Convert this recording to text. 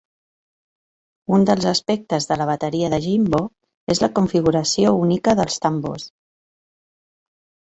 Un dels aspectes de la bateria de Jimbo és la configuració única dels tambors.